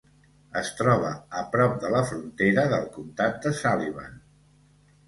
Es troba a prop de la frontera del comtat de Sullivan.